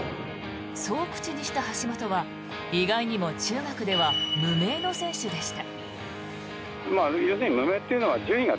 そう口にした橋本は意外にも中学では無名の選手でした。